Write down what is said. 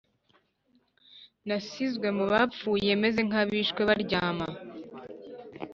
Nasizwe mu bapfuye meze nk abishwe baryama